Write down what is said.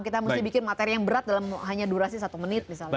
kita mesti bikin materi yang berat dalam hanya durasi satu menit misalnya